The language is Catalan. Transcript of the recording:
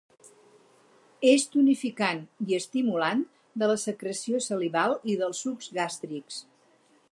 És tonificant i estimulant de la secreció salival i dels sucs gàstrics.